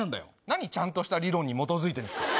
何ちゃんとした理論に基づいてるんすか！